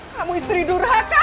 kamu istri durhaka